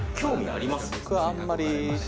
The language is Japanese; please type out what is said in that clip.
僕あんまり。